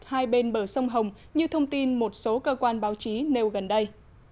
hai bên bờ sông hồng như thông tin một số cơ quan báo chí nêu gần đây